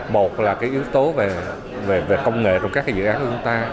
một là cái yếu tố về công nghệ trong các dự án của chúng ta